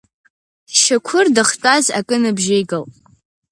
Шьықәыр дахьтәаз акы ныбжьеигалт.